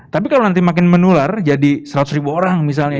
tapi kalau nanti makin menular jadi seratus ribu orang misalnya